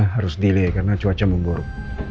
harus delay karena cuaca memburuk